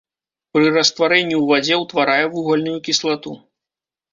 Пры растварэнні ў вадзе ўтварае вугальную кіслату.